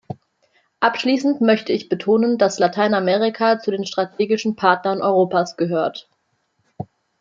Abschließend möchte ich betonen, dass Lateinamerika zu den strategischen Partnern Europas gehört.